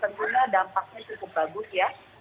tentunya dampaknya cukup bagus ya